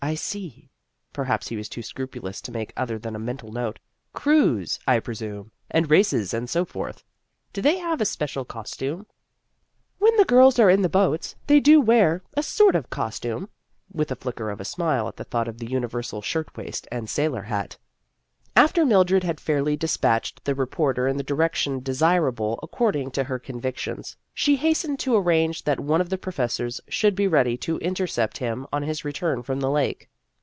I see" perhaps he was too scrupulous to make other than a mental note " crews, I presume, and races, and so forth. Do they have a special costume?" " When the girls are in the boats, they do wear a sort of costume," with a flicker of a smile at thought of the universal shirt waist and sailor hat. After Mildred had fairly despatched the reporter in the direction desirable accord ing to her convictions, she hastened to ar range that one of the professors should be ready to intercept him on his return from the lake.